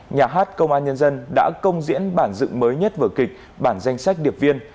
nhà hát công an nhân dân đã công diễn bản dựng mới nhất vở kịch bản danh sách điệp viên